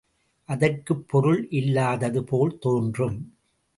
அதற்குப் பொருள் இல்லாதது போல் தோன்றும்!